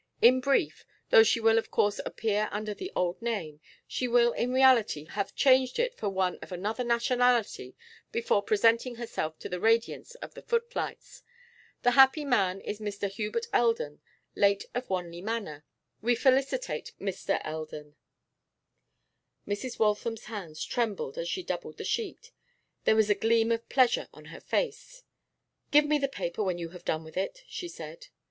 In brief, though she will of course appear under the old name, she will in reality have changed it for one of another nationality before presenting herself in the radiance of the footlights. The happy man is Mr. Hubert Eldon, late of Wanley Manor. We felicitate Mr. Eldon.' Mrs. Waltham's hands trembled as she doubled the sheet: there was a gleam of pleasure on her face. 'Give me the paper when you have done with it,' she said.